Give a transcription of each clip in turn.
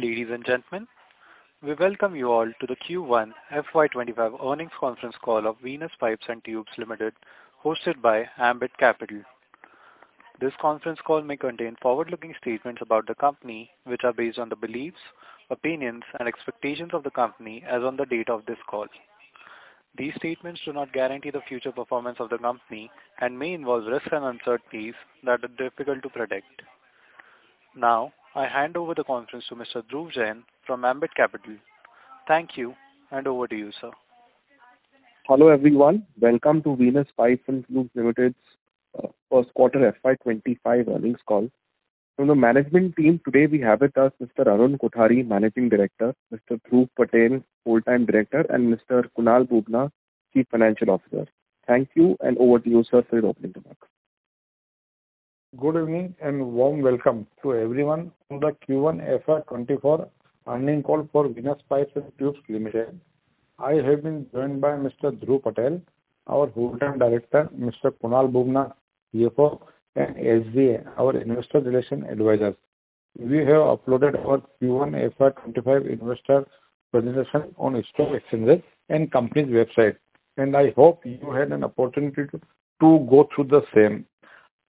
Ladies and gentlemen, we welcome you all to the Q1 FY 2025 earnings conference call of Venus Pipes and Tubes Limited, hosted by Ambit Capital. This conference call may contain forward-looking statements about the company, which are based on the beliefs, opinions, and expectations of the company as on the date of this call. These statements do not guarantee the future performance of the company and may involve risks and uncertainties that are difficult to predict. Now, I hand over the conference to Mr. Dhruv Jain from Ambit Capital. Thank you, and over to you, sir. Hello, everyone. Welcome to Venus Pipes and Tubes Limited's first quarter FY 2025 earnings call. From the management team today we have with us Mr. Arun Kothari, Managing Director, Mr. Dhruv Patel, Whole-Time Director, and Mr. Kunal Bubna, Chief Financial Officer. Thank you, and over to you, sir, for your opening remarks. Good evening and warm welcome to everyone on the Q1 FY 2024 earnings call for Venus Pipes and Tubes Limited. I have been joined by Mr. Dhruv Patel, our Whole-Time Director, Mr. Kunal Bubna, CFO, and SJ, our investor relations advisor. We have uploaded our Q1 FY 2025 investor presentation on stock exchanges and company's website, and I hope you had an opportunity to go through the same.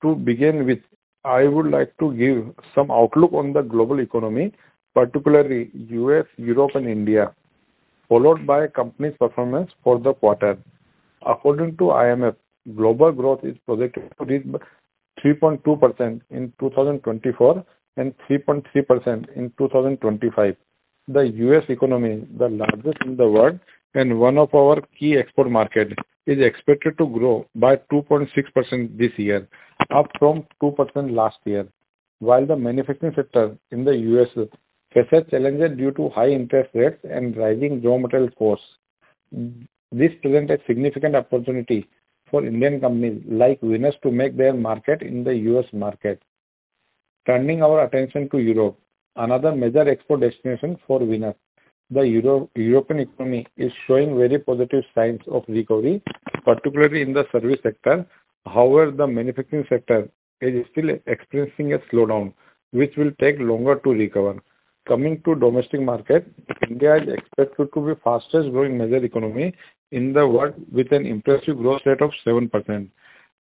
To begin with, I would like to give some outlook on the global economy, particularly U.S., Europe, and India, followed by company's performance for the quarter. According to IMF, global growth is projected to be 3.2% in 2024 and 3.3% in 2025. The U.S. economy, the largest in the world and one of our key export markets, is expected to grow by 2.6% this year, up from 2% last year. While the manufacturing sector in the U.S. faces challenges due to high interest rates and rising raw material costs. This presents a significant opportunity for Indian companies like Venus to make their mark in the U.S. market. Turning our attention to Europe, another major export destination for Venus. The European economy is showing very positive signs of recovery, particularly in the service sector. However, the manufacturing sector is still experiencing a slowdown, which will take longer to recover. Coming to domestic market, India is expected to be fastest growing major economy in the world with an impressive growth rate of 7%.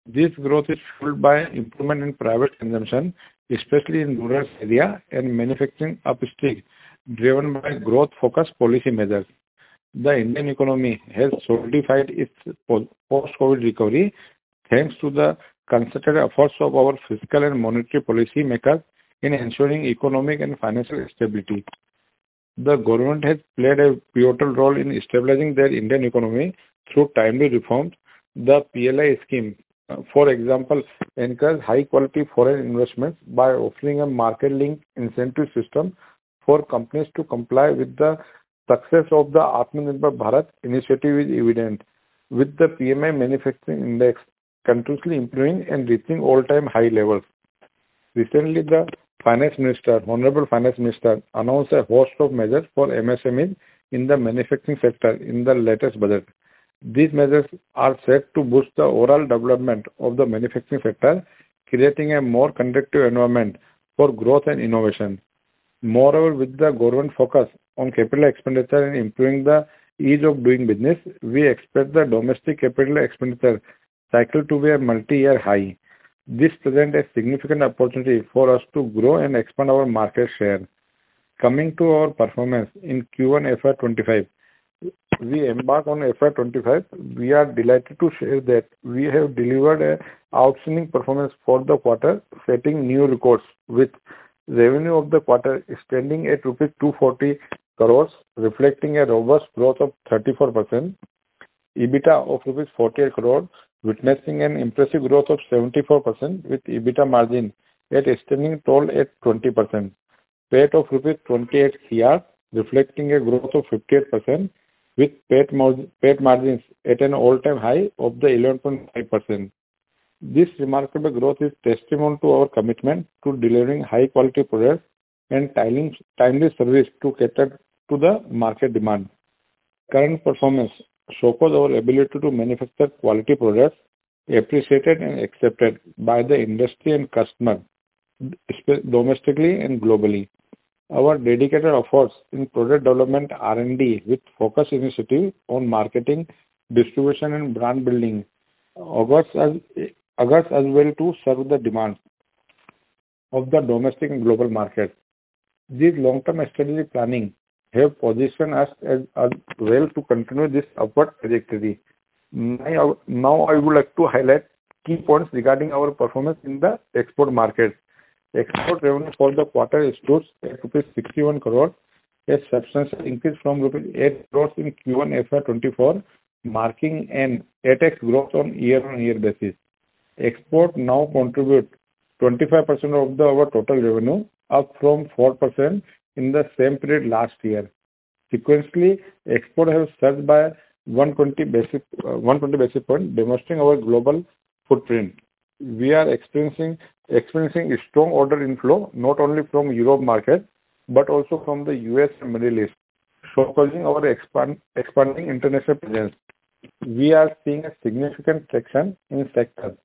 This growth is fueled by improvement in private consumption, especially in rural areas and manufacturing upswing, driven by growth-focused policy measures. The Indian economy has solidified its post-COVID recovery thanks to the concerted efforts of our fiscal and monetary policy makers in ensuring economic and financial stability. The government has played a pivotal role in stabilizing the Indian economy through timely reforms. The PLI scheme, for example, encouraged high-quality foreign investments by offering a market-linked incentive system for companies to comply with. The success of the Atmanirbhar Bharat initiative is evident, with the PMI manufacturing index continuously improving and reaching all-time high levels. Recently, the honorable Finance Minister announced a host of measures for MSMEs in the manufacturing sector in the latest budget. These measures are set to boost the overall development of the manufacturing sector, creating a more conducive environment for growth and innovation. Moreover, with the government focused on capital expenditure and improving the ease of doing business, we expect the domestic capital expenditure cycle to be a multiyear high. This presents a significant opportunity for us to grow and expand our market share. Coming to our performance in Q1 FY 2025. We embark on FY 2025. We are delighted to share that we have delivered an outstanding performance for the quarter, setting new records with revenue of the quarter standing at rupees 240 crore, reflecting a robust growth of 34%. EBITDA of rupees 48 crore, witnessing an impressive growth of 74%, with EBITDA margin at a stunning 20%. PAT of 28 crore, reflecting a growth of 58%, with PAT margins at an all-time high of 11.5%. This remarkable growth is testament to our commitment to delivering high-quality products and timely service to cater to the market demand. Current performance showcases our ability to manufacture quality products, appreciated and accepted by the industry and customer, domestically and globally. Our dedicated efforts in product development R&D with focused initiative on marketing, distribution, and brand building augurs as well to serve the demands of the domestic and global market. These long-term strategic planning have positioned us well to continue this upward trajectory. I would like to highlight key points regarding our performance in the export market. Export revenue for the quarter stood at rupees 61 crore, a substantial increase from rupees 8 crore in Q1 FY 2024, marking an 8x growth on year-on-year basis. Export now contribute 25% of our total revenue, up from 4% in the same period last year. Sequentially, export have surged by 120 basis points, demonstrating our global footprint. We are experiencing strong order inflow not only from Europe market but also from the U.S. and Middle East. Focusing on expanding international presence. We are seeing a significant traction in sectors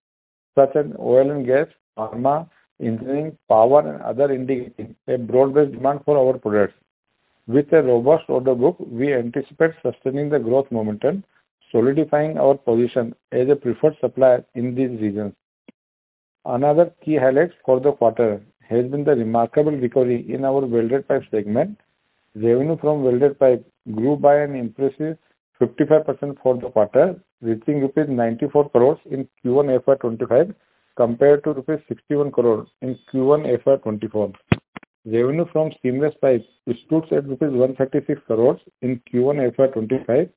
such as oil and gas, pharma, engineering, power, and other indicating a broad-based demand for our products. With a robust order book, we anticipate sustaining the growth momentum, solidifying our position as a preferred supplier in these regions. Another key highlight for the quarter has been the remarkable recovery in our welded pipe segment. Revenue from welded pipe grew by an impressive 55% for the quarter, reaching rupees 94 crore in Q1 FY 2025, compared to rupees 61 crore in Q1 FY 2024. Revenue from seamless pipes stood at rupees 136 crore in Q1 FY 2025,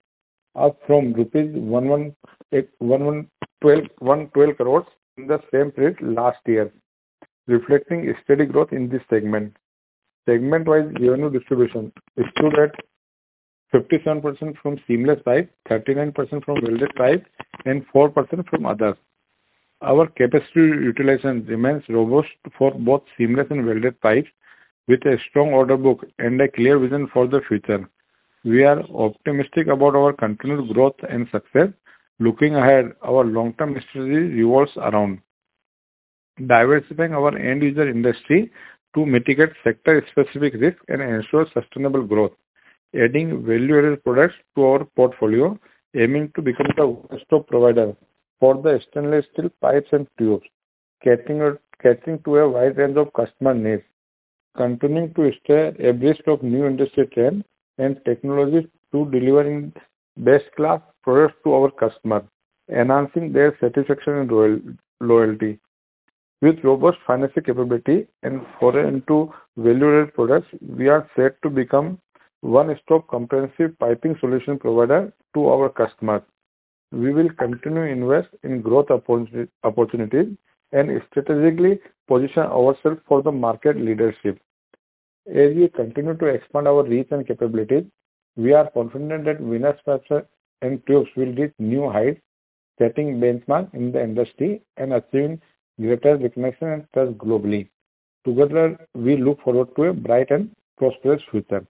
up from rupees 112 crore in the same period last year, reflecting a steady growth in this segment. Segment-wise revenue distribution stood at 57% from seamless pipes, 39% from welded pipes, and 4% from others. Our capacity utilization remains robust for both seamless and welded pipes with a strong order book and a clear vision for the future. We are optimistic about our continued growth and success. Looking ahead, our long-term strategy revolves around diversifying our end-user industry to mitigate sector-specific risk and ensure sustainable growth, adding value-added products to our portfolio, aiming to become the one-stop provider for the stainless steel pipes and tubes, catering to a wide range of customer needs, continuing to stay abreast of new industry trends and technologies to delivering best-in-class products to our customers, enhancing their satisfaction and loyalty. With robust financial capability and foray into value-added products, we are set to become one-stop comprehensive piping solution provider to our customers. We will continue to invest in growth opportunities and strategically position ourselves for the market leadership. As we continue to expand our reach and capabilities, we are confident that Venus Pipes & Tubes will reach new heights, setting benchmarks in the industry, and achieving greater recognition and trust globally. Together, we look forward to a bright and prosperous future.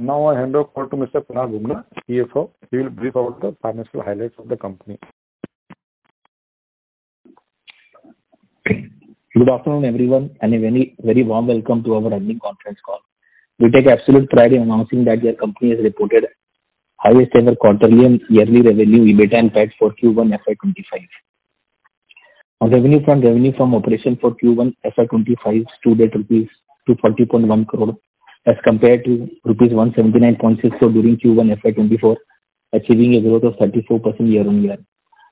I hand over the call to Mr. Kunal Bubna, CFO, who will brief about the financial highlights of the company. Good afternoon, everyone. A very warm welcome to our earnings conference call. We take absolute pride in announcing that your company has reported highest-ever quarterly and yearly revenue, EBITDA, and PAT for Q1 FY 2025. Our revenue from operations for Q1 FY 2025 stood at INR 240.1 crore as compared to rupees 179.6 crore during Q1 FY 2024, achieving a growth of 34% year-on-year.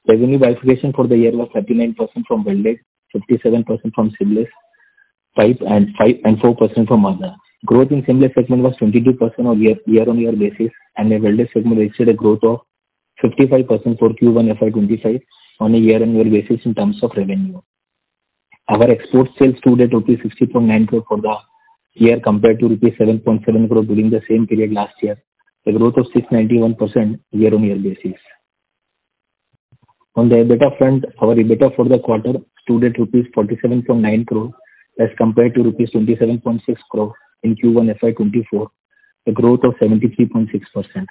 Revenue by obligation for the year was 39% from welded, 57% from seamless pipes, and 4% from other. Growth in seamless segment was 22% on year-on-year basis, and the welded segment registered a growth of 55% for Q1 FY 2025 on a year-on-year basis in terms of revenue. Our export sales stood at rupees 60.9 crore for the year, compared to rupees 7.7 crore during the same period last year, a growth of 691% year-on-year basis. On the EBITDA front, our EBITDA for the quarter stood at rupees 47.9 crore as compared to rupees 27.6 crore in Q1 FY 2024, a growth of 73.6%.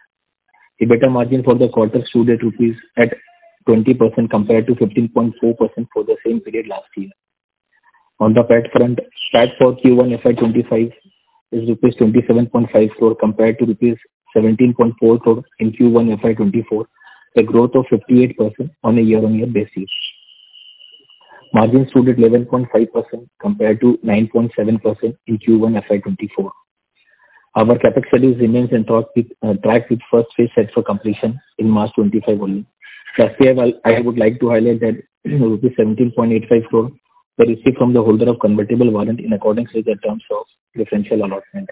EBITDA margin for the quarter stood at 20% compared to 15.4% for the same period last year. On the PAT front, PAT for Q1 FY 2025 is rupees 27.5 crore compared to rupees 17.4 crore in Q1 FY 2024, a growth of 58% on a year-on-year basis. Margin stood at 11.5% compared to 9.7% in Q1 FY 2024. Our CapEx study remains on track with first phase set for completion in March 2025 only. Lastly, I would like to highlight that rupees 17.85 crore were received from the holder of convertible warrant in accordance with the terms of preferential allotment.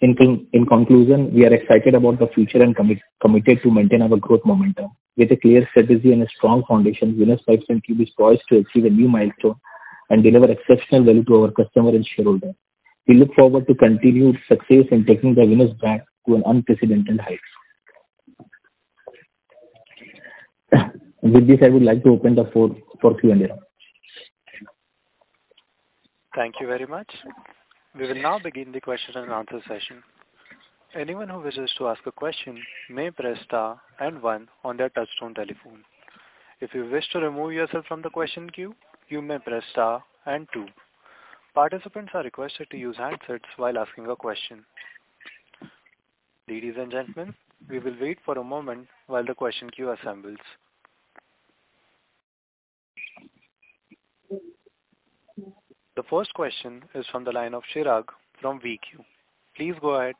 In conclusion, we are excited about the future and committed to maintain our growth momentum. With a clear strategy and a strong foundation, Venus Pipes & Tubes is poised to achieve a new milestone and deliver exceptional value to our customers and shareholders. We look forward to continued success in taking the Venus brand to unprecedented heights. With this, I would like to open the floor for Q&A. Thank you very much. We will now begin the question and answer session. Anyone who wishes to ask a question may press star and one on their touch-tone telephone. If you wish to remove yourself from the question queue, you may press star and two. Participants are requested to use handsets while asking a question. Ladies and gentlemen, we will wait for a moment while the question queue assembles. The first question is from the line of Chirag from ValueQuest. Please go ahead.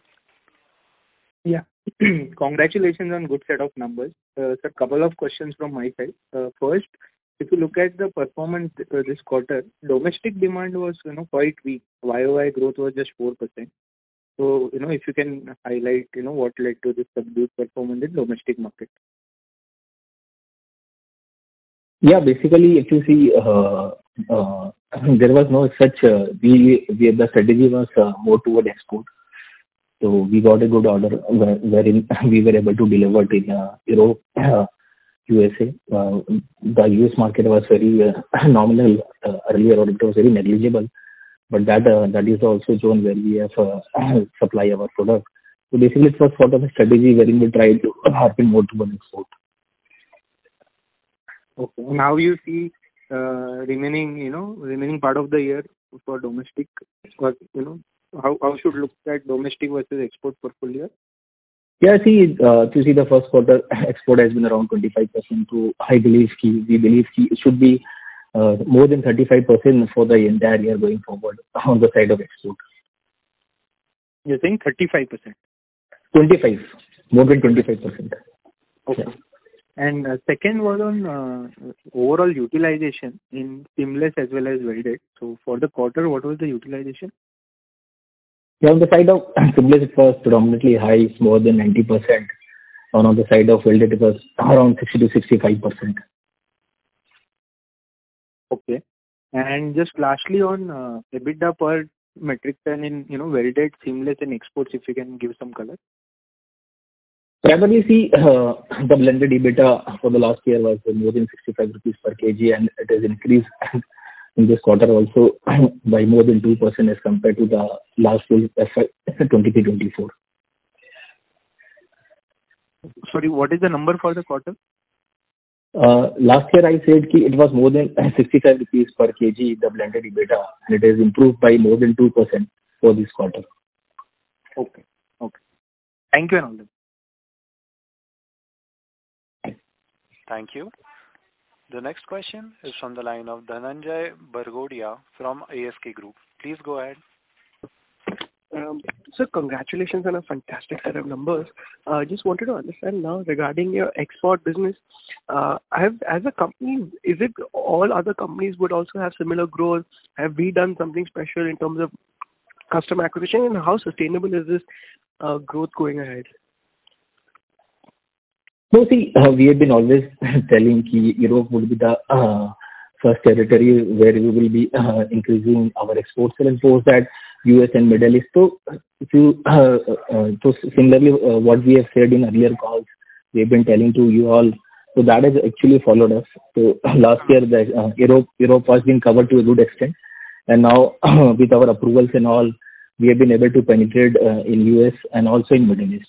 Congratulations on good set of numbers. Sir, couple of questions from my side. First, if you look at the performance this quarter, domestic demand was quite weak. YOY growth was just 4%. If you can highlight what led to this subdued performance in domestic market. The strategy was more toward export. We got a good order wherein we were able to deliver in Europe, USA. The U.S. market was very nominal earlier on. It was very negligible. That is also a zone where we have supply of our product. Basically, it was sort of a strategy where we tried to happen more to an export. Okay. How you see remaining part of the year for domestic? How should we look at domestic versus export portfolio? Yeah. If you see the first quarter, export has been around 25%. We believe it should be more than 35% for the entire year going forward on the side of export. You're saying 35%? 25. More than 25%. Okay. Second one on overall utilization in seamless as well as welded. For the quarter, what was the utilization? On the side of seamless, it was predominantly high, more than 90%. On the side of welded, it was around 60%-65%. Okay. Just lastly, on EBITDA per metric ton in welded, seamless, and exports, if you can give some color. Generally, the blended EBITDA for the last year was more than 65 rupees per kg. It has increased in this quarter also by more than 2% as compared to the last FY 2023, 2024. Sorry, what is the number for the quarter? Last year I said it was more than 65 rupees per kg, the blended EBITDA, and it has improved by more than 2% for this quarter. Okay. Thank you, Anupam. Thank you. The next question is from the line of Dhananjay Bhargavia from ASK Group. Please go ahead. Sir, congratulations on a fantastic set of numbers. Just wanted to understand now regarding your export business. As a company, is it all other companies would also have similar growth? Have we done something special in terms of customer acquisition, and how sustainable is this growth going ahead? We have been always telling Europe would be the first territory where we will be increasing our exports. Of course, that U.S. and Middle East. Similarly, what we have said in earlier calls, we've been telling to you all, that has actually followed us. Last year, Europe has been covered to a good extent. Now, with our approvals and all, we have been able to penetrate in U.S. and also in Middle East.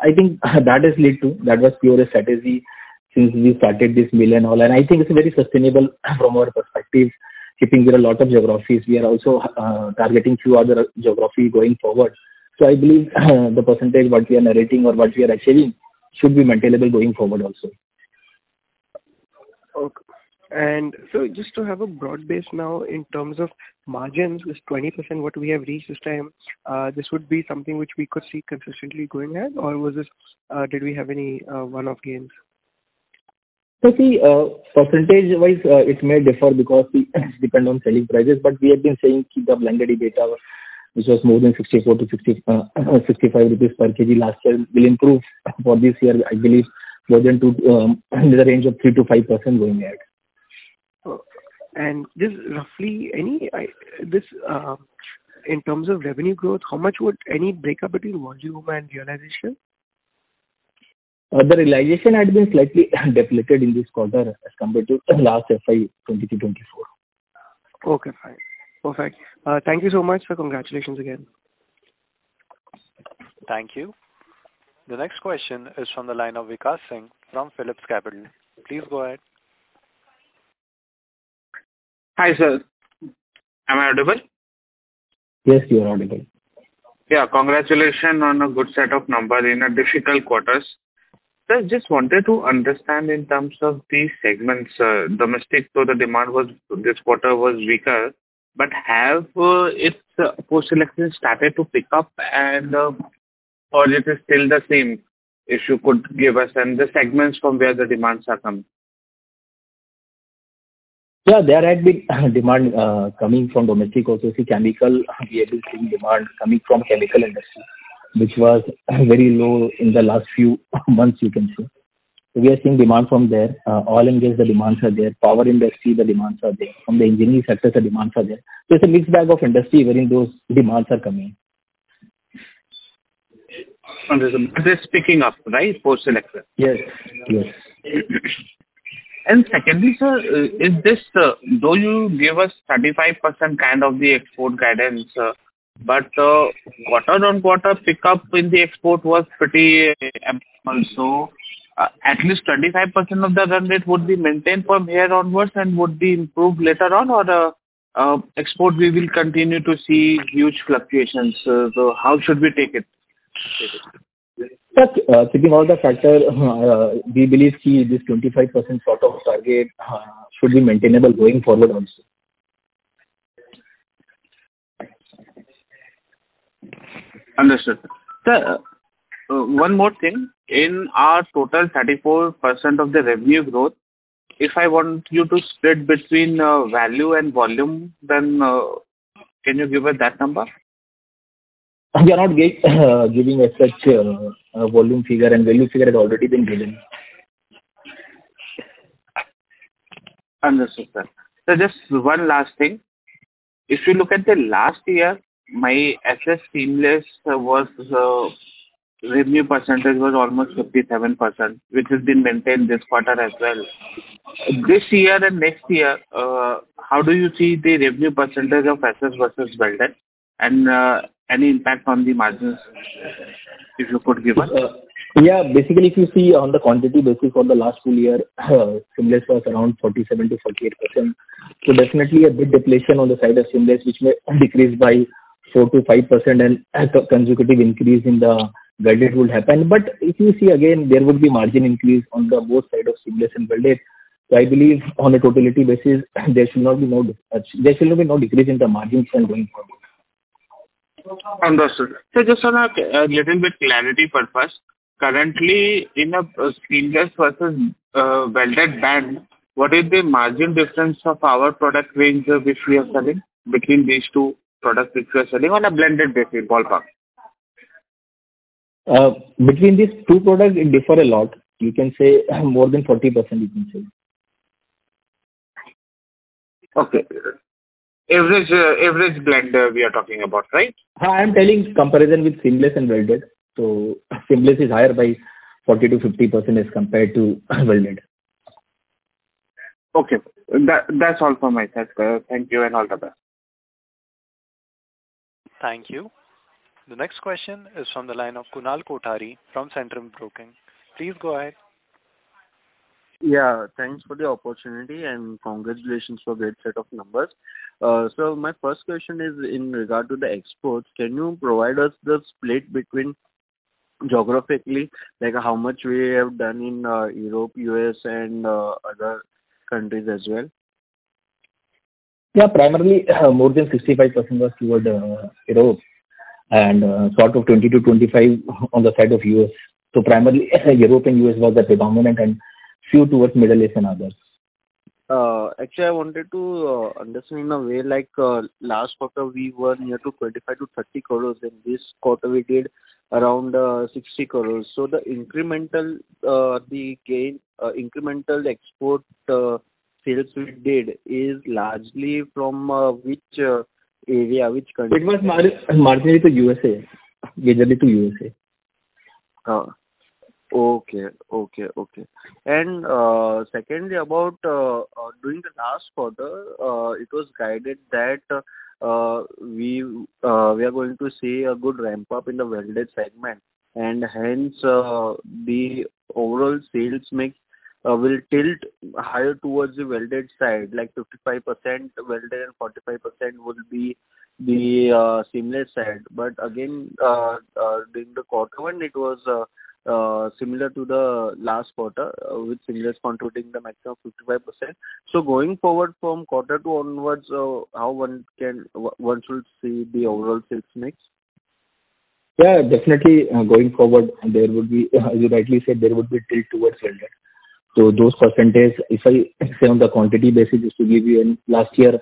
I think that was pure a strategy since we started this mill and all. I think it's very sustainable from our perspective, keeping with a lot of geographies. We are also targeting few other geography going forward. I believe the percentage what we are narrating or what we are achieving should be maintainable going forward also. Okay. Just to have a broad base now in terms of margins, this 20% what we have reached this time, this would be something which we could see consistently going ahead, or did we have any one-off gains? Percentage-wise, it may differ because we depend on selling prices, but we have been saying the blended EBITDA, which was more than 64 to 65 rupees per kg last year, will improve for this year, I believe in the range of 3%-5% going ahead. Just roughly, in terms of revenue growth, how much would any breakup between volume and realization? The realization had been slightly depleted in this quarter as compared to last FY 2023, 2024. Okay, fine. Perfect. Thank you so much, sir. Congratulations again. Thank you. The next question is from the line of Vikas Singh from PhillipCapital. Please go ahead. Hi, sir. Am I audible? Yes, you are audible. Yeah, congratulations on a good set of number in a difficult quarters. Sir, just wanted to understand in terms of the segments, domestic, the demand this quarter was weaker, have its post-elections started to pick up? It is still the same? If you could give us, the segments from where the demands are coming. Yeah, there had been demand coming from domestic also. See, chemical, we have been seeing demand coming from chemical industry, which was very low in the last few months, you can say. We are seeing demand from there. Oil and gas, the demands are there. Power industry, the demands are there. From the engineering sectors, the demands are there. It's a mixed bag of industry wherein those demands are coming. Understood. It's picking up, right, post-election? Yes. Secondly, sir, though you gave a 35% kind of the export guidance, quarter on quarter pickup in the export was pretty ample. At least 25% of the run rate would be maintained from here onwards and would be improved later on, export we will continue to see huge fluctuations. How should we take it? Sir, keeping all the factor, we believe this 25% sort of target should be maintainable going forward also. Understood. Sir, one more thing. In our total 34% of the revenue growth, if I want you to split between value and volume, can you give us that number? We are not giving a separate volume figure and value figure has already been given. Understood, sir. Just one last thing. If you look at the last year, my SS seamless revenue percentage was almost 57%, which has been maintained this quarter as well. This year and next year, how do you see the revenue percentage of SS versus welded, and any impact on the margins, if you could give us? Basically, if you see on the quantity basis for the last full year, seamless was around 47%-48%. Definitely a big depletion on the side of seamless, which may decrease by 4%-5% and as a consecutive increase in the welded will happen. If you see again, there would be margin increase on the both side of seamless and welded. I believe on a totality basis, there should not be no decrease in the margins then going forward. Understood. Just on a little bit clarity purpose. Currently, in a seamless versus welded band, what is the margin difference of our product range which we are selling between these two products which we are selling on a blended basis, ballpark? Between these two products, it differ a lot. You can say more than 40%. Okay. Average blend we are talking about, right? I am telling comparison with seamless and welded. Seamless is higher by 40%-50% as compared to welded. Okay. That's all from my side, sir. Thank you, and all the best. Thank you. The next question is from the line of Kunal Kothari from Centrum Broking. Please go ahead. Yeah, thanks for the opportunity and congratulations for great set of numbers. My first question is in regard to the exports. Can you provide us the split between geographically, like how much we have done in Europe, U.S., and other countries as well? Yeah, primarily, more than 65% was toward Europe and sort of 20-25 on the side of U.S. Primarily, Europe and U.S. was the predominant and few towards Middle East and others. Actually, I wanted to understand in a way like last quarter we were near to 25 crore-30 crore, and this quarter we did around 60 crore. The incremental export sales we did is largely from which area, which country? It was marginally to USA. Okay. Secondly, about during the last quarter, it was guided that we are going to see a good ramp-up in the welded segment and hence the overall sales mix will tilt higher towards the welded side, like 55% welded and 45% would be the seamless side. Again, during the quarter one it was similar to the last quarter with seamless contributing the maximum 55%. Going forward from quarter two onwards, how one should see the overall sales mix? Yeah, definitely, going forward, you rightly said, there would be a tilt towards welded. Those percentage, if I say on the quantity basis, to give you, last year,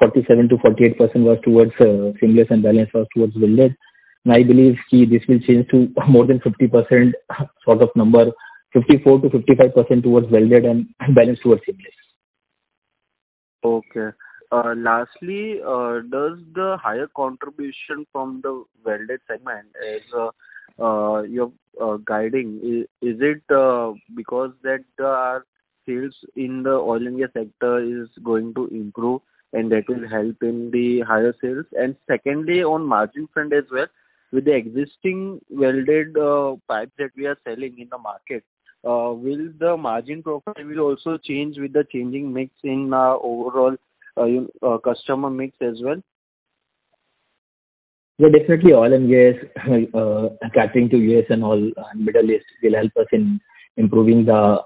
47%-48% was towards seamless and balance was towards welded. I believe this will change to more than 50% sort of number, 54%-55% towards welded and balance towards seamless. Okay. Lastly, does the higher contribution from the welded segment as you're guiding, is it because that our sales in the oil and gas sector is going to improve and that will help in the higher sales? Secondly, on margin front as well, with the existing welded pipes that we are selling in the market, will the margin profile will also change with the changing mix in overall customer mix as well? Definitely oil and gas, catering to U.S. and Middle East will help us in improving the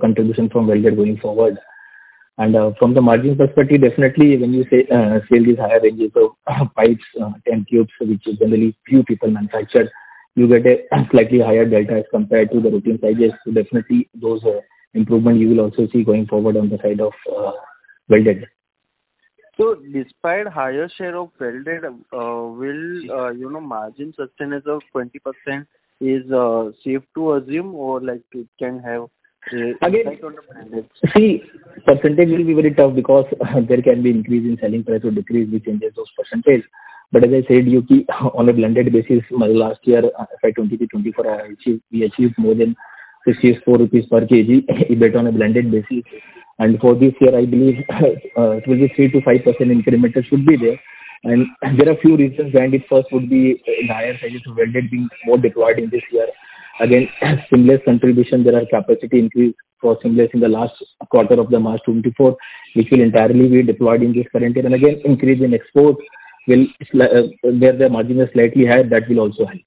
contribution from welded going forward. From the margin perspective, definitely when you say sales is higher ranges of pipes and tubes, which is generally few people manufacture, you get a slightly higher delta as compared to the routine sizes. Definitely those improvement you will also see going forward on the side of welded. Despite higher share of welded, will margin sustenance of 20% is safe to assume or like it can have. Again- Impact on the business. Percentage will be very tough because there can be increase in selling price or decrease which changes those percentage. As I said, you keep on a blended basis, my last year FY 2020-2024, we achieved more than 64 rupees per kg EBITDA on a blended basis. For this year, I believe, it will be 3%-5% incremental should be there. There are few reasons behind it. First would be in higher sizes welded being more deployed in this year. Again, seamless contribution, there are capacity increase for seamless in the last quarter of the March 2024, which will entirely be deployed in this current year. Again, increase in exports, there the margin is slightly higher. That will also help.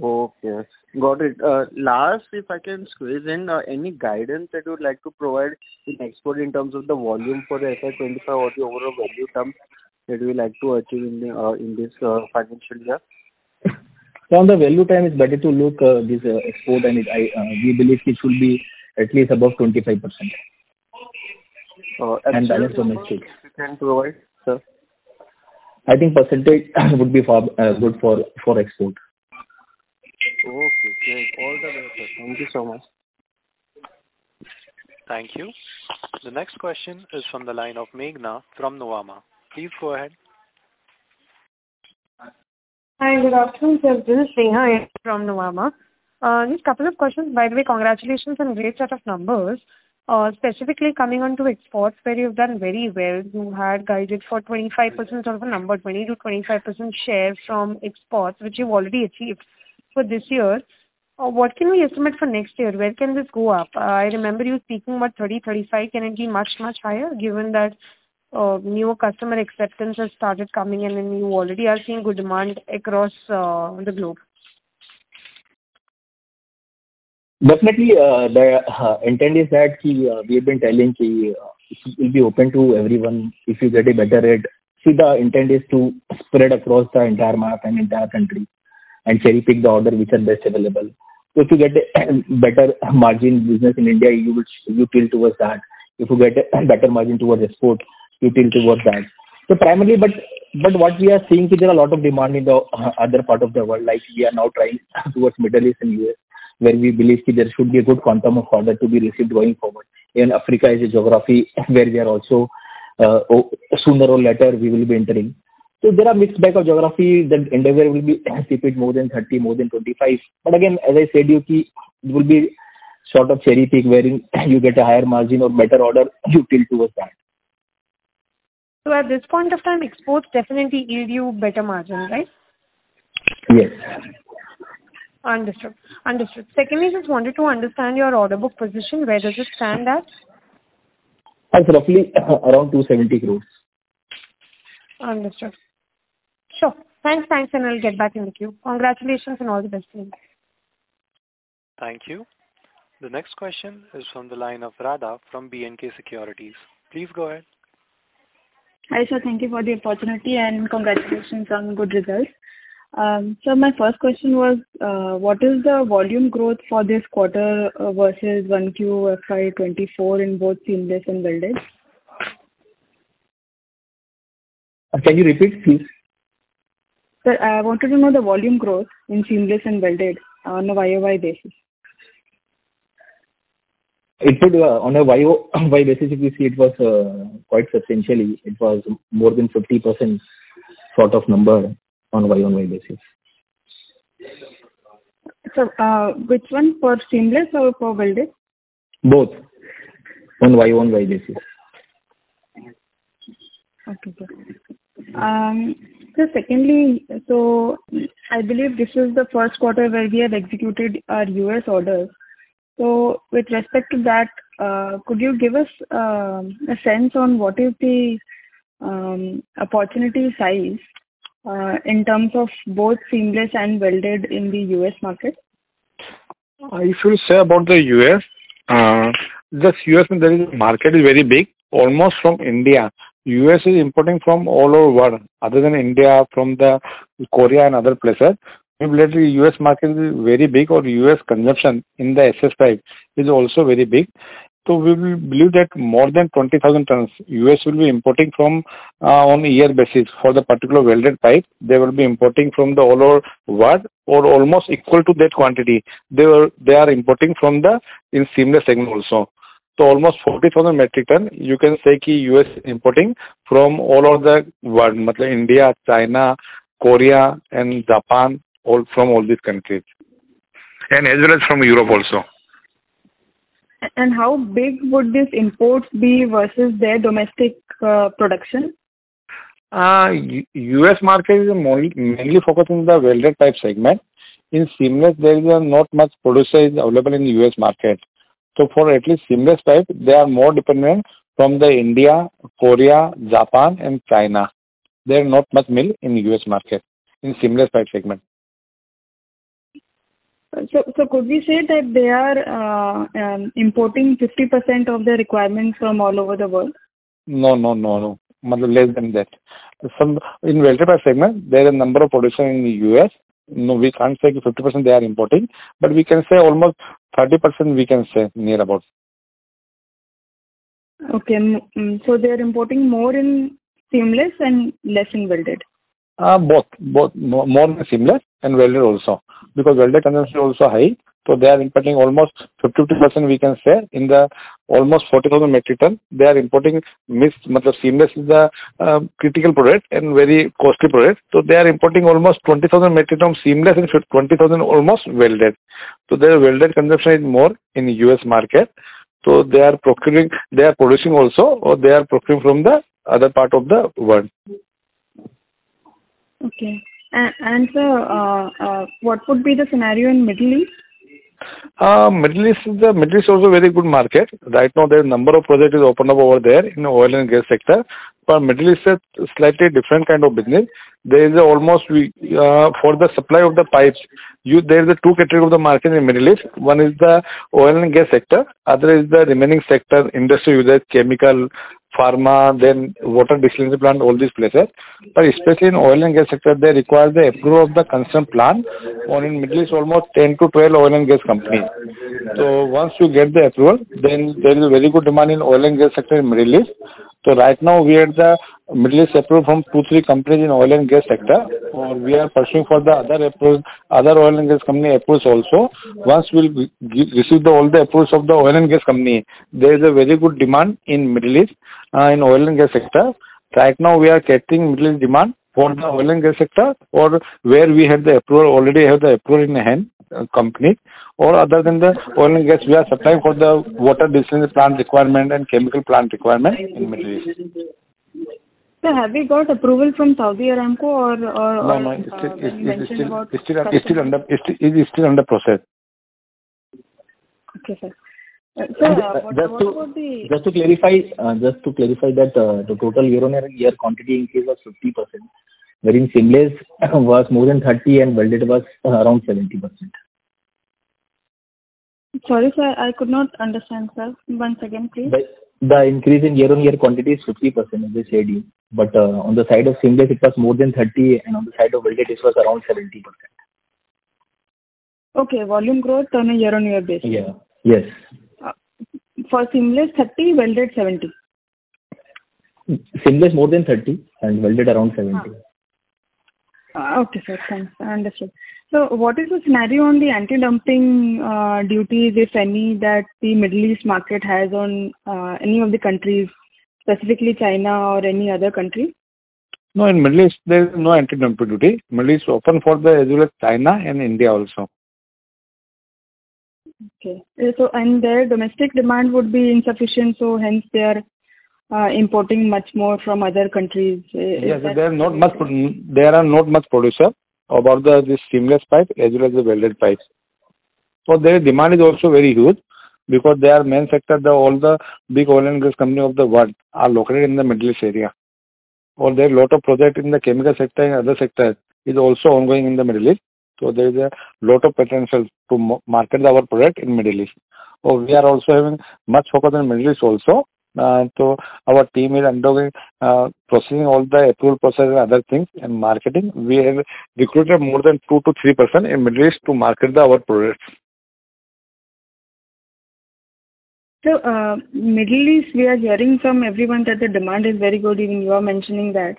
Okay, got it. Last, if I can squeeze in, any guidance that you would like to provide in export in terms of the volume for the FY 2025 or the overall value term that you would like to achieve in this financial year? From the value term, it's better to look this export. We believe it should be at least above 25%. Okay. Balance from mix shift. You can provide, sir? I think % would be good for export. Okay, great. All the best, sir. Thank you so much. Thank you. The next question is from the line of Meghna from Nuvama. Please go ahead. Hi, good afternoon, sir. This is Meghna here from Nuvama. Just couple of questions. By the way, congratulations on great set of numbers. Specifically coming on to exports, where you've done very well. You had guided for 25% sort of a number, 20%-25% share from exports, which you've already achieved for this year. What can we estimate for next year? Where can this go up? I remember you speaking about 30%, 35%. Can it be much, much higher given that new customer acceptance has started coming in and you already are seeing good demand across the globe? Definitely. The intent is that we have been telling will be open to everyone if you get a better rate. The intent is to spread across the entire map and entire country and cherry-pick the order which are best available. If you get a better margin business in India, you tilt towards that. If you get a better margin towards export, you tilt towards that. What we are seeing is there are a lot of demand in the other part of the world, like we are now trying towards Middle East and U.S., where we believe there should be a good quantum of order to be received going forward. Africa is a geography where we are also, sooner or later, we will be entering. There are mixed bag of geography that in the year will be a bit more than 30, more than 25. Again, as I said, it will be sort of cherry-pick where you get a higher margin or better order, you tilt towards that. At this point of time, exports definitely yield you better margin, right? Yes. Understood. Secondly, just wanted to understand your order book position. Where does it stand at? It's roughly around INR 270 crores. Understood. Sure. Thanks. I'll get back in the queue. Congratulations and all the best to you. Thank you. The next question is from the line of Radha from BNK Securities. Please go ahead. Hi, sir. Thank you for the opportunity, and congratulations on good results. Sir, my first question was, what is the volume growth for this quarter versus 1Q FY 2024 in both seamless and welded? Can you repeat, please? Sir, I wanted to know the volume growth in seamless and welded on a YOY basis. If it were on a YOY basis, if you see, it was quite substantially, it was more than 50% sort of number on YOY basis. Sir, which one? For seamless or for welded? Both, on YOY basis. Okay. Sir, secondly, I believe this is the first quarter where we have executed our U.S. order. With respect to that, could you give us a sense on what is the opportunity size in terms of both seamless and welded in the U.S. market? If you say about the U.S., just U.S. market is very big. Almost from India, U.S. is importing from all over world. Other than India, from Korea and other places. Lately, U.S. market is very big, or U.S. consumption in the SS pipe is also very big. We will believe that more than 20,000 tons U.S. will be importing on a year basis for the particular welded pipe. They will be importing from all over world, or almost equal to that quantity, they are importing from the seamless segment also. Almost 40,000 metric ton, you can say U.S. is importing from all over the world. India, China, Korea, and Japan, from all these countries. As well as from Europe also. how big would these imports be versus their domestic production? U.S. market is mainly focused on the welded pipe segment. In seamless, there is not much producer is available in the U.S. market. For at least seamless pipe, they are more dependent from the India, Korea, Japan, and China. There is not much mill in U.S. market in seamless pipe segment. Sir, could we say that they are importing 50% of their requirements from all over the world? No. Less than that. In welded pipe segment, there are a number of producers in the U.S. No, we can't say 50% they are importing. We can say almost 30%, we can say, near about. Okay. They are importing more in seamless and less in welded. Both. More in seamless and welded also. Welded consumption also high, they are importing almost 50% we can say. In the almost 40,000 metric ton, they are importing seamless is the critical product and very costly product, they are importing almost 20,000 metric ton seamless and 20,000 almost welded. Their welded consumption is more in U.S. market. They are producing also, or they are procuring from the other part of the world. Okay. Sir, what would be the scenario in Middle East? Middle East is also a very good market. Right now, there are a number of projects opened up over there in the oil and gas sector. Middle East is slightly different kind of business. For the supply of the pipes, there is two category of the market in Middle East. One is the oil and gas sector, other is the remaining sector, industry usage, chemical, pharma, then water desalination plant, all these places. Especially in oil and gas sector, they require the approval of the concerned plant. In Middle East, almost 10 to 12 oil and gas company. Once you get the approval, then there is very good demand in oil and gas sector in Middle East. Right now we have the Middle East approval from two, three companies in oil and gas sector. We are searching for the other oil and gas company approvals also. Once we receive all the approvals of the oil and gas company, there is a very good demand in Middle East in oil and gas sector. Right now we are getting Middle East demand for the oil and gas sector for where we have the approval, already have the approval in hand, company, or other than the oil and gas, we are supplying for the water distancing plant requirement and chemical plant requirement in Middle East. Sir, have we got approval from Saudi Aramco? Or you mentioned about- No. It is still under process. Okay, sir. Just to clarify that the total year-over-year quantity increase was 50%, wherein seamless was more than 30% and welded was around 70%. Sorry, sir. I could not understand, sir. Once again, please. The increase in year-over-year quantity is 50%, as I said. On the side of seamless it was more than 30%, and on the side of welded it was around 70%. Okay. Volume growth on a year-over-year basis. Yes. For seamless 30%, welded 70%. Seamless more than 30% and welded around 70%. Okay, sir. Thanks. I understood. What is the scenario on the anti-dumping duties, if any, that the Middle East market has on any of the countries, specifically China or any other country? No, in Middle East there is no anti-dumping duty. Middle East open for as well as China and India also. Okay. Their domestic demand would be insufficient, so hence they are importing much more from other countries. Is that? Yes, they are not much producer about this seamless pipe as well as the welded pipes. Their demand is also very huge because their main sector, all the big oil and gas company of the world are located in the Middle East area. There are a lot of projects in the chemical sector and other sector is also ongoing in the Middle East. There is a lot of potential to market our product in Middle East. We are also having much focus on Middle East also. Our team is undergoing, processing all the approval process and other things and marketing. We have recruited more than two to three persons in Middle East to market our products. Sir, Middle East, we are hearing from everyone that the demand is very good, even you are mentioning that.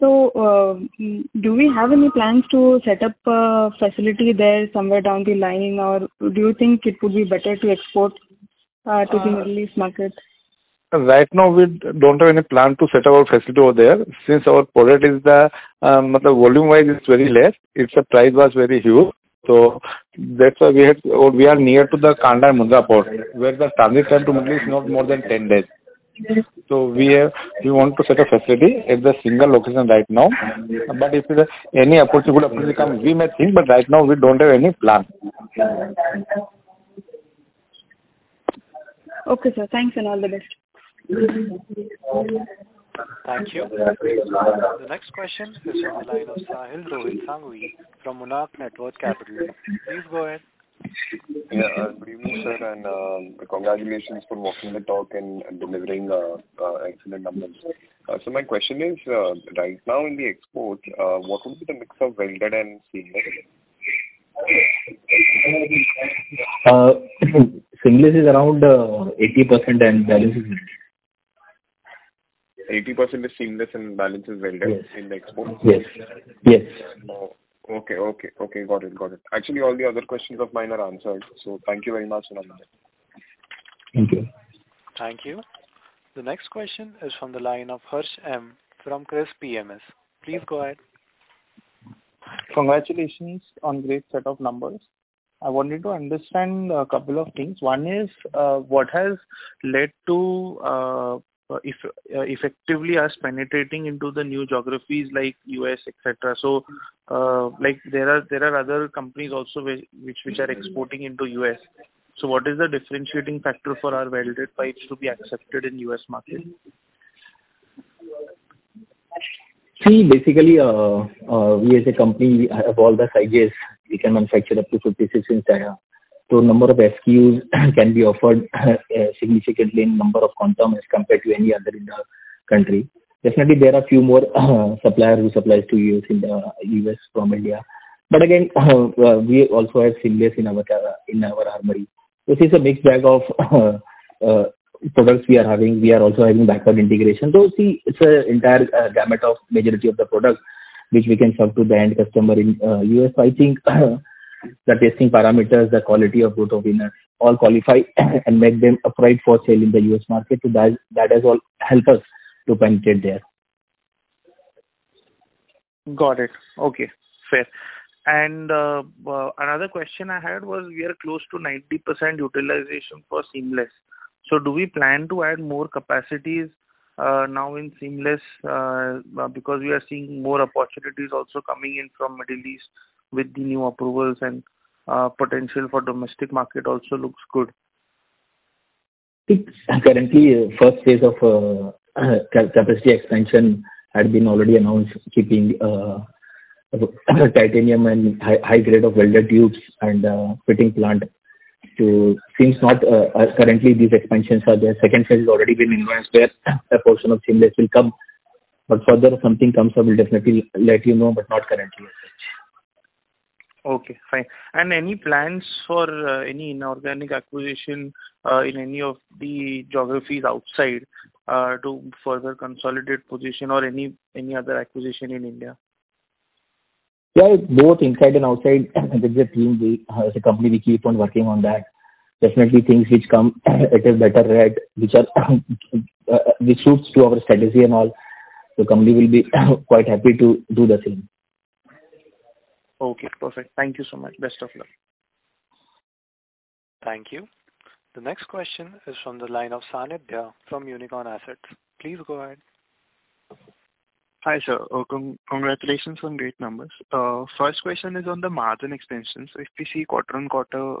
Do we have any plans to set up a facility there somewhere down the line, or do you think it would be better to export to the Middle East market? Right now we don't have any plan to set up a facility over there since our product is, volume-wise it's very less. Its price was very huge. That's why we are near to the Kandla and Mundra port, where the transit time to Middle East is not more than 10 days. We want to set a facility at the single location right now. If any good opportunity comes, we may think, but right now we don't have any plan. Okay, sir. Thanks and all the best. Thank you. The next question is from the line of Sahil Rawal from Monarch Networth Capital. Please go ahead. Good evening, sir, and congratulations for walking the talk and delivering excellent numbers. My question is, right now in the export, what would be the mix of welded and seamless? Seamless is around 80% and balance is welded. 80% is seamless and balance is welded. Yes In the export? Yes. Okay. Got it. Actually, all the other questions of mine are answered. Thank you very much and all the best. Thank you. Thank you. The next question is from the line of Harsh M. from Crisp PMS. Please go ahead. Congratulations on great set of numbers. I wanted to understand a couple of things. One is, what has led to effectively us penetrating into the new geographies like U.S., et cetera. There are other companies also which are exporting into U.S. What is the differentiating factor for our welded pipes to be accepted in U.S. market? Basically, we as a company have all the sizes. We can manufacture up to 56 inch dia. Number of SKUs can be offered significantly in number of quantum as compared to any other in the country. Definitely there are few more suppliers who supplies to U.S. in the U.S. from India. Again, we also have seamless in our armory. It is a mixed bag of products we are having. We are also having backward integration. It's entire gamut of majority of the products which we can serve to the end customer in U.S. I think the testing parameters, the quality of both of them all qualify and make them upright for sale in the U.S. market. That has all helped us to penetrate there. Got it. Okay, fair. Another question I had was, we are close to 90% utilization for seamless. Do we plan to add more capacities now in seamless? We are seeing more opportunities also coming in from Middle East with the new approvals and potential for domestic market also looks good. Currently, first phase of capacity expansion had been already announced, keeping titanium and high grade of welded tubes and fitting plant. Currently, these expansions are there. Second phase has already been announced where a portion of seamless will come. Further, if something comes up, we'll definitely let you know, but not currently as such. Okay, fine. Any plans for any inorganic acquisition in any of the geographies outside to further consolidate position or any other acquisition in India? Yeah, both inside and outside there's a team. As a company, we keep on working on that. Definitely things which come at a better rate, which suits to our strategy and all, the company will be quite happy to do the same. Okay, perfect. Thank you so much. Best of luck. Thank you. The next question is from the line of Sanib Dea from Unicorn Assets. Please go ahead. Hi, sir. Congratulations on great numbers. First question is on the margin expansion. If we see quarter-on-quarter,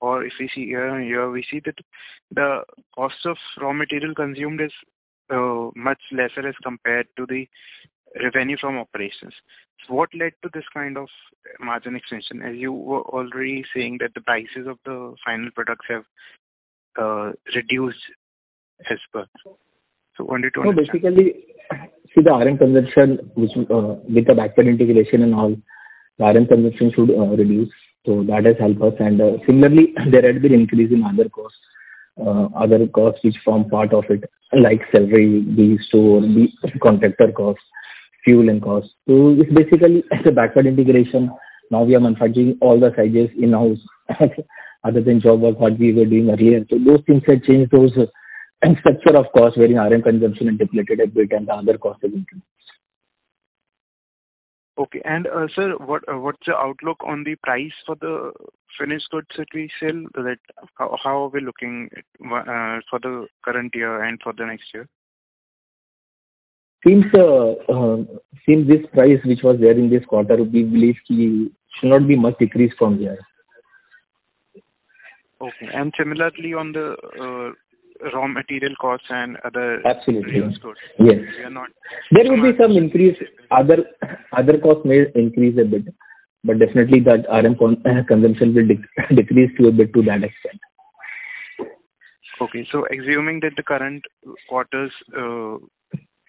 or if we see year-on-year, we see that the cost of raw material consumed is much lesser as compared to the revenue from operations. What led to this kind of margin expansion, as you were already saying that the prices of the final products have reduced as per. No, basically, see the RM consumption with the backward integration and all, the RM consumption should reduce, that has helped us. Similarly, there had been increase in other costs, which form part of it, like salary, the store, the contractor costs, fuel and costs. It's basically as a backward integration. Now we are manufacturing all the sizes in-house, other than job work what we were doing earlier. Those things have changed those structure of cost, where RM consumption and depleted a bit and the other costs have increased. Okay. Sir, what's the outlook on the price for the finished goods that we sell? How are we looking for the current year and for the next year? This price which was there in this quarter, we believe should not be much decreased from here. Okay. Similarly, on the raw material costs and other- Absolutely. -finished goods. Yes. We are not- There will be some increase. Other costs may increase a bit, but definitely that RM consumption will decrease to a bit to that extent. Okay. Assuming that the current quarter's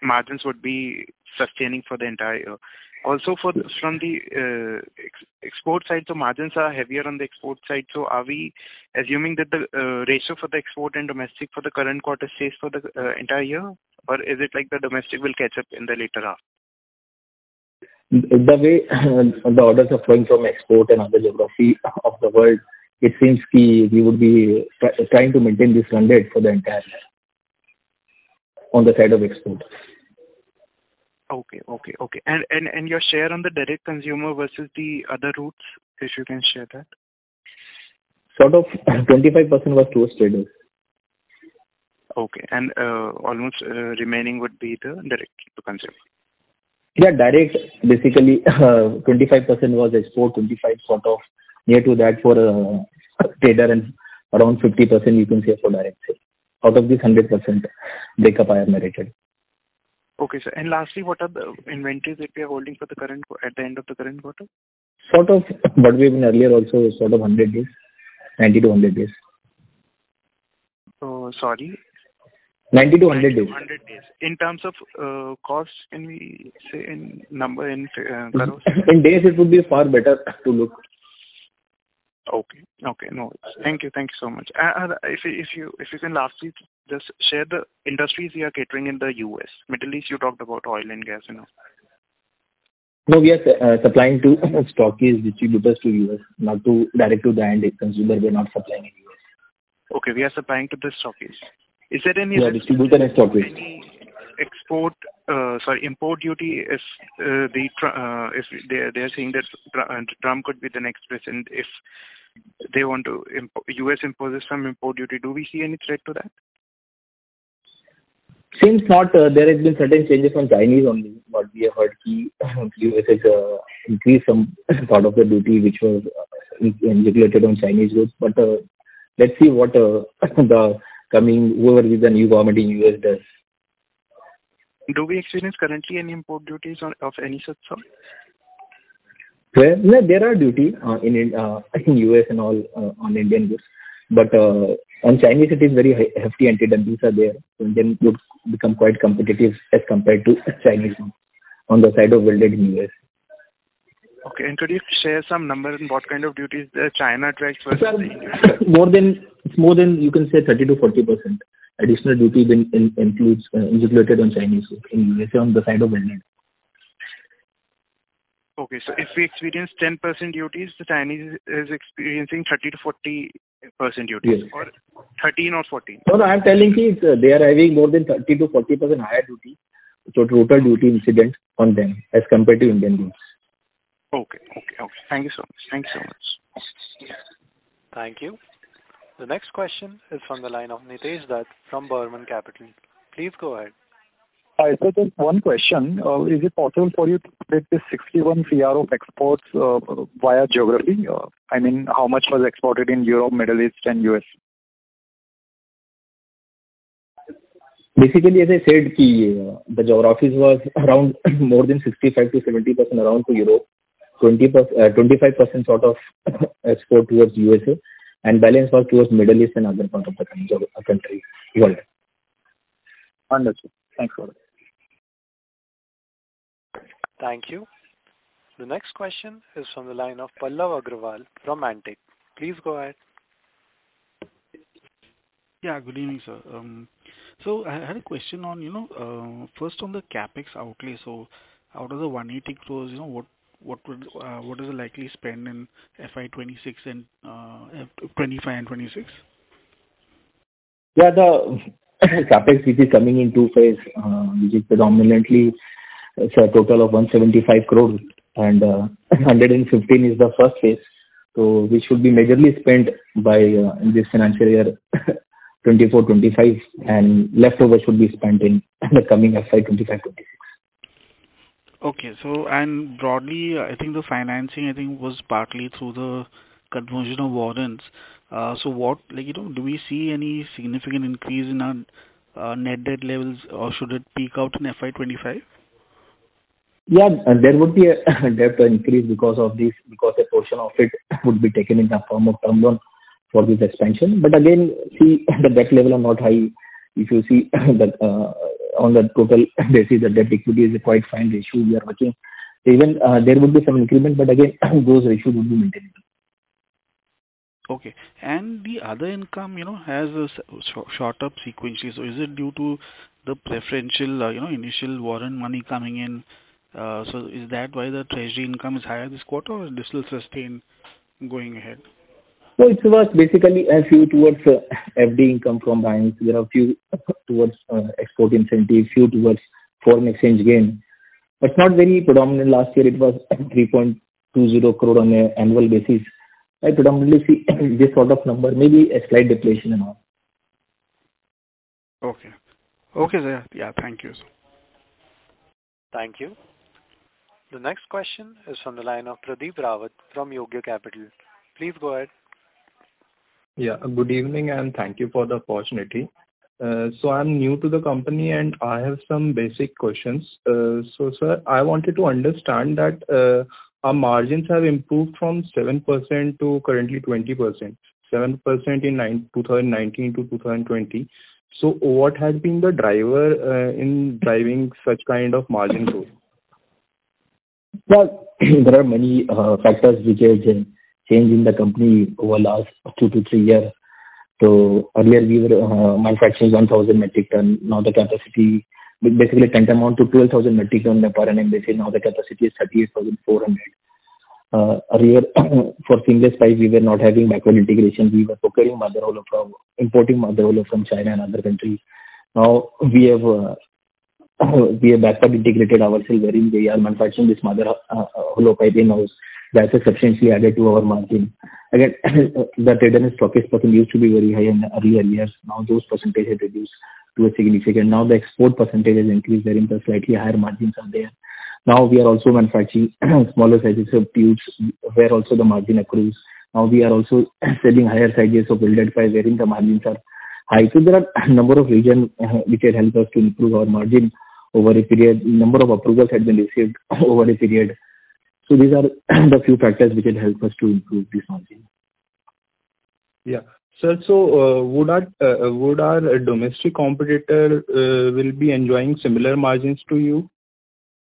margins would be sustaining for the entire year. Also from the export side, margins are heavier on the export side. Are we assuming that the ratio for the export and domestic for the current quarter stays for the entire year? Or is it like the domestic will catch up in the later half? The way the orders are flowing from export and other geography of the world, it seems we would be trying to maintain this mandate for the entire year, on the side of exports. Okay. Your share on the direct consumer versus the other routes, if you can share that. Sort of 25% was towards traders. Okay. Almost remaining would be the direct to consumer. Yeah, direct. Basically, 25% was export, 25% sort of near to that for trader, and around 50% you can say for direct sales. Out of this 100% breakup, I have narrated. Okay, sir. Lastly, what are the inventories that we are holding at the end of the current quarter? What we've been earlier also, sort of 100 days. 90-100 days. Sorry. 90-100 days. 90-100 days. In terms of costs, can we say in number, in EUR? In days, it would be far better to look. Okay. No, thank you so much. If you can lastly just share the industries you are catering in the U.S. Middle East, you talked about oil and gas. No, we are supplying to stockies, distributors to U.S., not direct to the end consumer. We are not supplying in the U.S. Okay, we are supplying to the stockies. Yeah, distributor and stockist. Any import duty? They are saying that Trump could be the next president. If U.S. imposes some import duty, do we see any threat to that? Seems not. There has been certain changes from Chinese only. What we have heard, U.S. has increased some part of the duty which was regulated on Chinese goods. Let's see what whoever is the new government in U.S. does. Do we experience currently any import duties of any such, sir? No, there are duty in U.S. and all on Indian goods. On Chinese it is very hefty anti-dumping are there. Indian goods become quite competitive as compared to Chinese goods on the side of welded in U.S. Okay. Could you share some numbers on what kind of duties China attracts versus the U.S.? It's more than, you can say 30 to 40% additional duty included on Chinese goods in U.S. on the side of welded. Okay. If we experience 10% duties, the Chinese is experiencing 30 to 40% duties. Yes. 30 or 40? I'm telling since they are having more than 30%-40% higher duty. Total duty incident on them, as compared to Indian goods. Thank you so much. Thank you. The next question is from the line of Nitesh Dutt from Burman Capital. Please go ahead. Hi, sir. Just one question. Is it possible for you to split this 61 CR of exports via geography? I mean, how much was exported in Europe, Middle East, and U.S.? As I said, the geographies was around more than 65%-70% around to Europe. 25% sort of export towards the U.S.A. and balance all towards Middle East and other parts of the country. Got it. Understood. Thanks a lot. Thank you. The next question is from the line of Pallav Agrawal from Antique. Please go ahead. Good evening, sir. I had a question, first on the CapEx outlay. Out of the 180 crores, what is the likely spend in FY 2025 and 2026? The CapEx, which is predominantly a total of 175 crores, and 115 is the first phase. Which should be majorly spent in this financial year 2024, 2025 and leftover should be spent in the coming FY 2025, 2026. Broadly, I think the financing was partly through the conversion of warrants. Do we see any significant increase in our net debt levels or should it peak out in FY 2025? Yeah. There would be a debt increase because a portion of it would be taken in the form of term loan for this expansion. Again, see, the debt level are not high. If you see on the total basis, the debt equity is a quite fine ratio we are watching. Even there would be some increment, but again, those ratios would be maintainable. Okay. The other income has a shot-up frequency. Is it due to the preferential initial warrant money coming in? Is that why the treasury income is higher this quarter or this will sustain going ahead? It was basically a few towards FD income from banks. There are a few towards export incentives, a few towards foreign exchange gain, but not very predominant. Last year it was 3.20 crore on an annual basis. Predominantly, see, this sort of number, maybe a slight deflation and all. Okay. Yeah. Thank you, sir. Thank you. The next question is from the line of Pradeep Rawat from Yogya Capital. Please go ahead. Good evening, and thank you for the opportunity. I'm new to the company and I have some basic questions. Sir, I wanted to understand that our margins have improved from 7% to currently 20%, 7% in 2019 to 2020. What has been the driver in driving such kind of margin growth? There are many factors which have changed in the company over last 2 to 3 years. Earlier we were manufacturing 1,000 metric ton. Basically tantamount to 12,000 metric ton per annum basis. The capacity is 38,400. Earlier, for seamless pipes we were not having backward integration. We were procuring mother hollow, importing mother hollow from China and other countries. We have backward integrated ourselves wherein we are manufacturing this mother hollow pipe in-house. That has substantially added to our margin. Again, the traded and stockists percent used to be very high in earlier years. Those percentages have reduced to a significant. The export percentage has increased wherein the slightly higher margins are there. We are also manufacturing smaller sizes of tubes where also the margin accrues. We are also selling higher sizes of welded pipes wherein the margins are high. There are number of reasons which had helped us to improve our margin over a period. Number of approvals had been received over a period. These are the few factors which had helped us to improve this margin. Yeah. Sir, would our domestic competitor be enjoying similar margins to you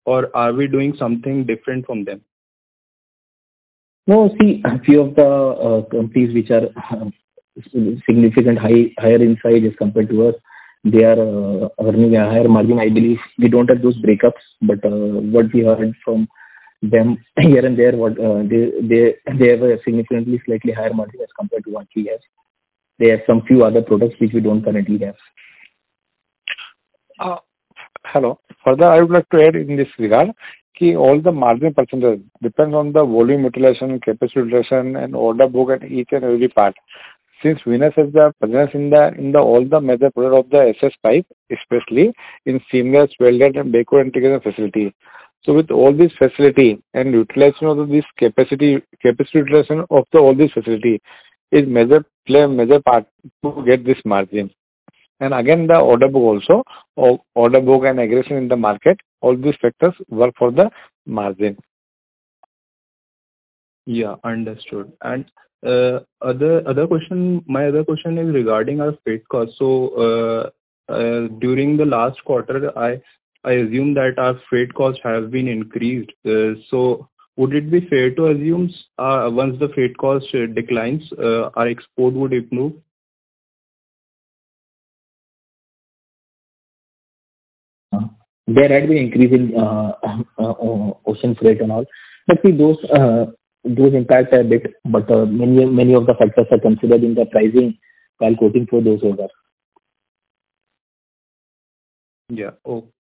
or are we doing something different from them? No. See, few of the companies which are significantly higher in size as compared to us, they are earning a higher margin. I believe we don't have those breakups, but what we heard from them here and there, they have a significantly slightly higher margin as compared to what we have. They have some few other products which we don't currently have. Hello. Further, I would like to add in this regard. See all the margin percentages depend on the volume utilization, capacity utilization and order book at each and every part. Since Venus has the presence in all the major products of the SS pipe, especially in seamless welded and backward integration facility. With all these facility and utilization of this capacity utilization of all this facility play a major part to get this margin. Again, the order book also and aggression in the market. All these factors work for the margin. Yeah. Understood. My other question is regarding our freight cost. During the last quarter, I assume that our freight cost has been increased. Would it be fair to assume once the freight cost declines, our export would improve? There had been increase in ocean freight and all. See, those impacts are there, but many of the factors are considered in the pricing while quoting for those orders. Yeah.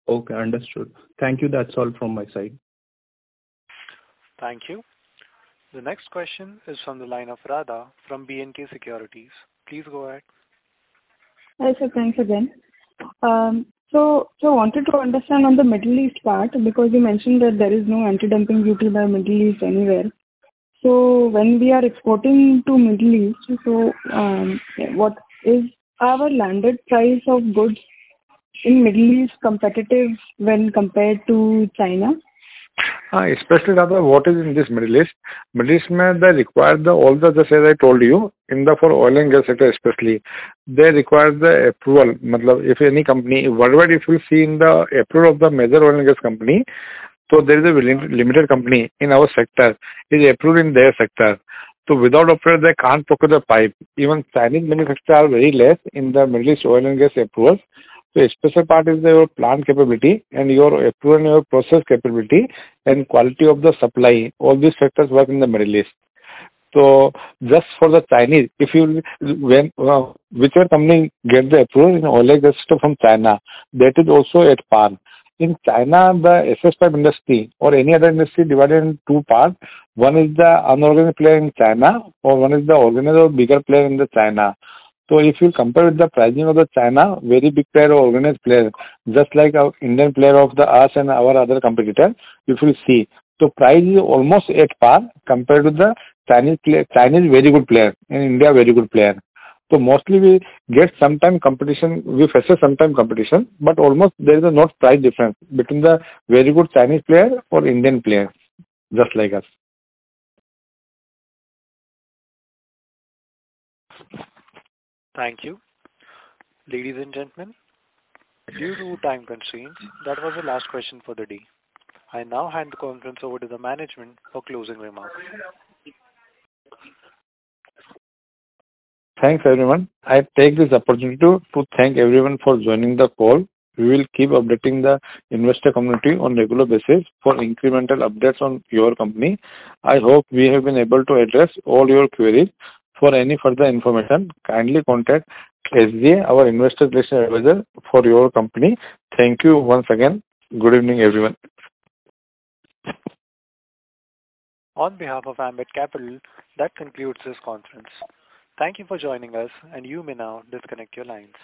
Okay, understood. Thank you. That's all from my side. Thank you. The next question is from the line of Radha from BNK Securities. Please go ahead. Hi, sir. Thanks again. I wanted to understand on the Middle East part because you mentioned that there is no anti-dumping duty by Middle East anywhere. When we are exporting to Middle East, what is our landed price of goods in Middle East competitive when compared to China? Especially what is in this Middle East. Middle East they require all the things I told you for oil and gas sector especially. They require the approval. Worldwide if you see in the approval of the major oil and gas company, there is a limited company in our sector is approved in their sector. Without approval, they can't procure the pipe. Even Chinese manufacturers are very less in the Middle East oil and gas approvals. A special part is your plant capability and your approval and your process capability and quality of the supply. All these factors work in the Middle East. Just for the Chinese, whichever company gets the approval in oil and gas from China, that is also at par. In China, the SS pipe industry or any other industry divided in two parts. One is the unorganized player in China, or one is the organized or bigger player in the China. If you compare the pricing of the China, very big player or organized player, just like Indian player of ours and our other competitor, if you see, price is almost at par compared to the Chinese very good player and India very good player. Mostly we face sometime competition, but almost there is no price difference between the very good Chinese player or Indian player, just like us. Thank you. Ladies and gentlemen, due to time constraints, that was the last question for the day. I now hand the conference over to the management for closing remarks. Thanks, everyone. I take this opportunity to thank everyone for joining the call. We will keep updating the investor community on regular basis for incremental updates on your company. I hope we have been able to address all your queries. For any further information, kindly contact SGA, our investor relation advisor for your company. Thank you once again. Good evening, everyone. On behalf of Ambit Capital, that concludes this conference. Thank you for joining us, and you may now disconnect your lines.